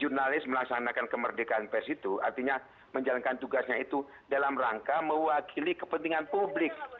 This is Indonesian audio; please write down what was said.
jurnalis melaksanakan kemerdekaan pes itu artinya menjalankan tugasnya itu dalam rangka mewakili kepentingan publik